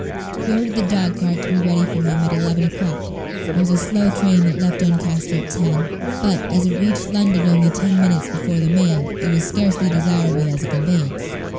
He ordered the dog cart to be got ready for him at eleven o'clock. There was a slow train that left Doncaster at ten; but, as it reached London only ten minutes before the mail, it was scarcely desirable as a conveyance.